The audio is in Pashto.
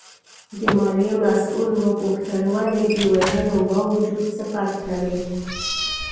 د مالیې مسوول وپوښتل ولې د وژنو باوجود صفت کوې؟